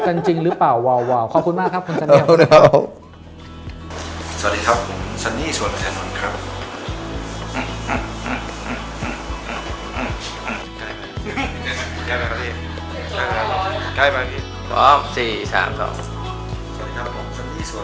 ใกล้มาใกล้มาพี่พร้อมสี่สามสองสวัสดีครับผมซันนี่ส่วน